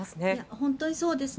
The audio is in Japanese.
本当にそうですね。